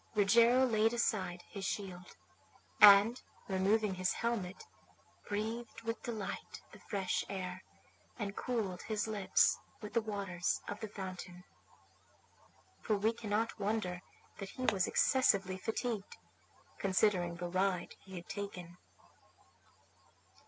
Rogero laid aside his shield, and, removing his helmet, breathed with delight the fresh air, and cooled his lips with the waters of the fountain. For we cannot wonder that he was excessively fatigued, considering the ride he had taken.